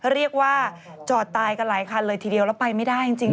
เรียกว่าจอดตายกันหลายคันเลยทีเดียวแล้วไปไม่ได้จริง